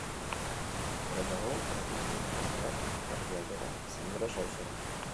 Beranduago hedatu ziren ikastolak erdi aldera, zein Gros auzora.